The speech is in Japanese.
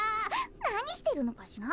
なにしてるのかしら？